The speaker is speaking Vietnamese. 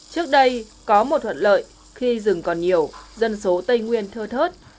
trước đây có một thuận lợi khi rừng còn nhiều dân số tây nguyên thơ thớt